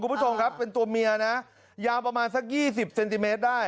คุณผู้ชมครับเป็นตัวเมียนะยาวประมาณสัก๒๐เซนติเมตรได้